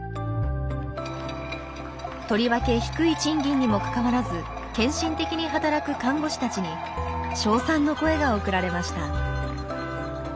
とりわけ低い賃金にもかかわらず献身的に働く看護師たちに賞賛の声が送られました。